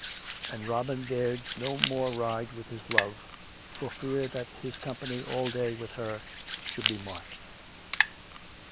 And Robin dared no more ride with his love, for fear that his company all day with her should be marked.